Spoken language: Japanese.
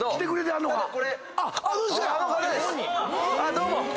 どうも！